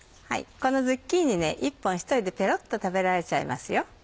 このズッキーニね１本１人でペロっと食べられちゃいますよ。